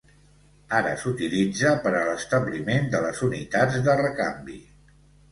Ara s'utilitza per a l'establiment de les unitats de recanvi.